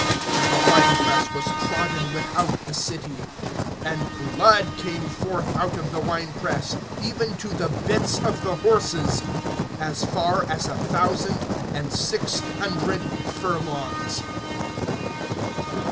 (20)And the wine press was trodden without the city, and blood came forth out of the wine press, even to the bits of the horses, as far as a thousand and six hundred furlongs.